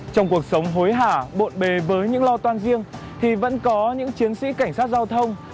trong cuộc sống hối hả bộn bề với những lo toan riêng thì vẫn có những chiến sĩ cảnh sát giao thông